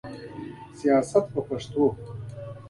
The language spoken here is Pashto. سیاست په پښتو.